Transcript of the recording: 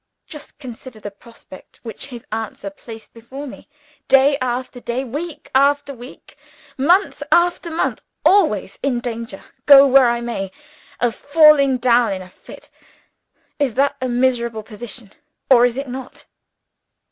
Just consider the prospect which his answer placed before me! Day after day, week after week, month after month, always in danger, go where I may, of falling down in a fit is that a miserable position? or is it not?"